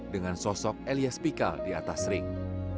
dengan sosok elias pikal di atas ring